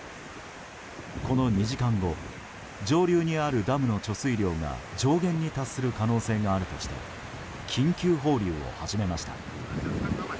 この２時間後上流にあるダムの貯水量が上限に達する可能性があるとして緊急放流を始めました。